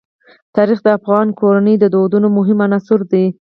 تاریخ د افغان کورنیو د دودونو مهم عنصر دی.